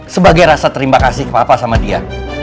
sebagai rasa terima kasih papa sama dia